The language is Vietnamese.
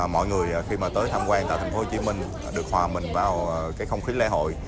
mọi người khi mà tới tham quan tại tp hcm được hòa mình vào cái không khí lễ hội